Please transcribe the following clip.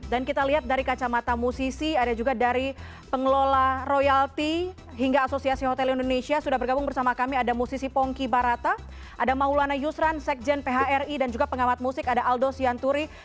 dan kita lihat dari kacamata musisi ada juga dari pengelola royalti hingga asosiasi hotel indonesia sudah bergabung bersama kami ada musisi pongki barata ada maulana yusran sekjen phri dan juga pengamat musik ada aldo sianturi